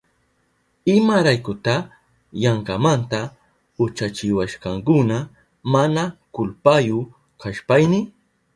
¿Imaraykuta yankamanta uchachiwashkakuna mana kulpayu kashpayni?